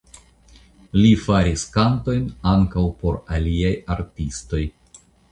Li faris kantojn ankaŭ por aliaj artistoj.